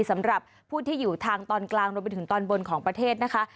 สำหรับผู้ที่อยู่ทางตอนกลางรวมไปถึงตอนบนของประเทศนะคะ